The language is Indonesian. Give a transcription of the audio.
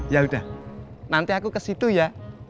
yaudah nanti aku kesitu ya